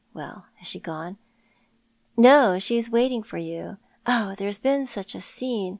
"Well, has she gone?" "No. She is waiting for you. Oh, there has been such a scene.